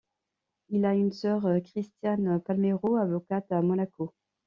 Il a une sœur, Christiane Palmero, avocate à Monaco.